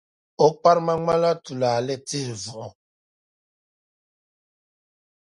O kparima ŋmanila tulaale tihi vuɣa.